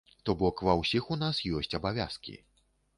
То бок, ва ўсіх у нас ёсць абавязкі.